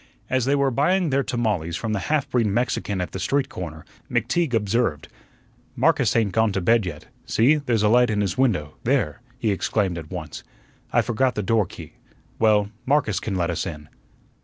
As they were buying their tamales from the half breed Mexican at the street corner, McTeague observed: "Marcus ain't gone to bed yet. See, there's a light in his window. There!" he exclaimed at once, "I forgot the doorkey. Well, Marcus can let us in."